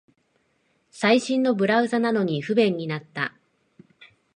最新のブラウザなのに不便になった